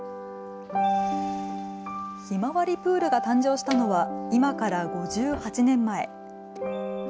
ひまわりプールが誕生したのは今から５８年前。